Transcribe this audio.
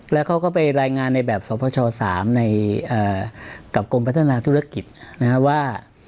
แล้วเขาก็ไปรายงานในแบบสพช๓ในกับกรมพัฒนาธุรกิจนะครับว่า